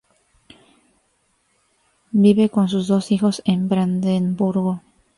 Vive con sus dos hijos en Brandenburgo.